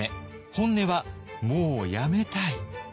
本音はもうやめたい。